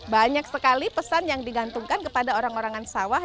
banyak sekali pesan yang digantungkan kepada orang orangan sawah